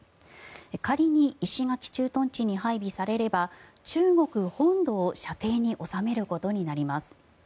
仮に石垣駐屯地に配備されれば中国本土を射程に収めることになります。